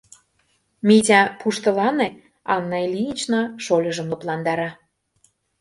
— Митя, пуштылане, — Анна Ильинична шольыжым лыпландара.